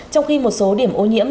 trong khi một số điểm ô nhiễm